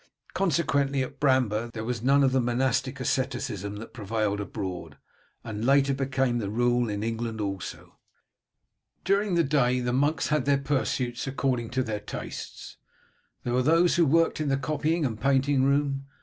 Consequently, at Bramber there was none of that monastic asceticism that prevailed abroad, and later became the rule in England also. During the day the monks had their pursuits according to their tastes. There were those who worked in the copying and painting room.